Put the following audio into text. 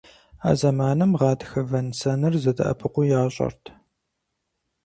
А зэманым гъатхэ вэн-сэныр зэдэӀэпыкъуу ящӀэрт.